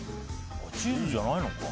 チーズじゃないのか。